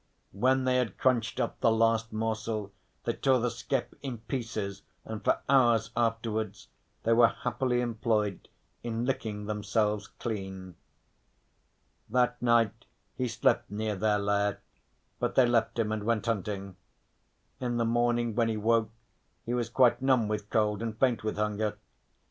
When they had crunched up the last morsel they tore the skep in pieces, and for hours afterwards they were happily employed in licking themselves clean. That night he slept near their lair, but they left him and went hunting. In the morning when he woke he was quite numb with cold, and faint with hunger.